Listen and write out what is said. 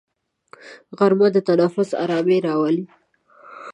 غرمه د تنفس ارامي راولي